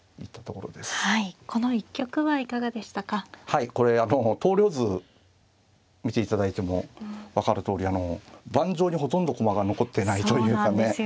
はいこれあの投了図見ていただいても分かるとおり盤上にほとんど駒が残ってないというかね。